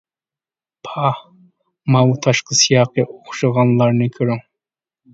پاھ، ماۋۇ تاشقى سىياقى ئوخشىغانلارنى كۆرۈڭ!